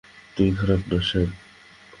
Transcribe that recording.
তুমি খারাপ না, স্যাম।